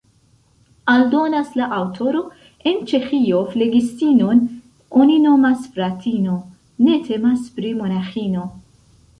Aldonas la aŭtoro: En Ĉeĥio flegistinon oni nomas fratino: ne temas pri monaĥino.